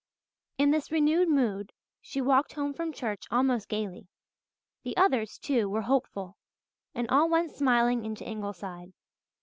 In this renewed mood she walked home from church almost gaily. The others, too, were hopeful, and all went smiling into Ingleside.